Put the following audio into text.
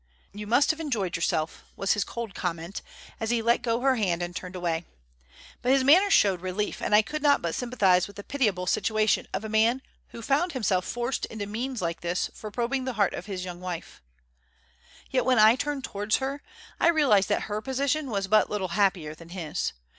"You must have enjoyed yourself," was his cold comment, as he let go her hand and turned away. But his manner showed relief, and I could not but sympathize with the pitiable situation of a man who found himself forced into means like this for probing the heart of his young wife. Yet when I turned towards her, I realized that her position was but little happier than his.